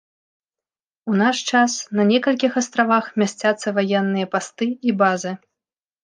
У наш час на некалькіх астравах месцяцца ваенныя пасты і базы.